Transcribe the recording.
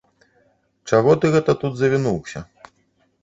Чаго ты гэта тут завінуўся?